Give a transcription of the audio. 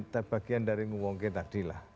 terbagian dari nguwongke tadi lah